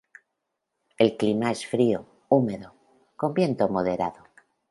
El clima es frío, húmedo, con viento moderado.